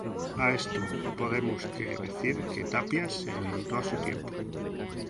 A esto, podemos que decir que Tapia se adelantó a su tiempo.